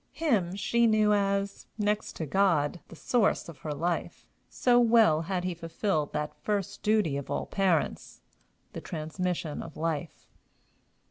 Him she knew as, next to God, the source of her life, so well had he fulfilled that first duty of all parents the transmission of life.